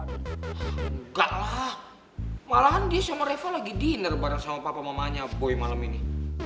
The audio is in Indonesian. enggak lah malahan dia sama revo lagi dinner bareng sama papa mamanya boy malam ini